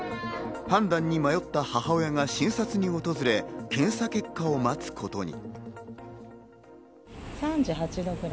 判断に迷った母親が診察に訪れ、検査結果を待つことに。